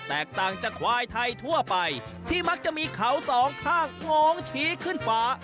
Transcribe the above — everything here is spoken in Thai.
แตกต่างจากควายไทยทั่วไปที่มักจะมีเขาสองข้างงองชี้ขึ้นฟ้า